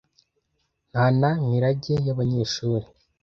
nta na mirage y'abanyeshuri